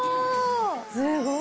すごい。